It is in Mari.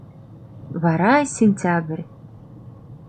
Вара — сентябрь.